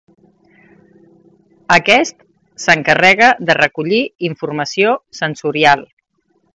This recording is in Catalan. Aquest s'encarrega de recollir informació sensorial.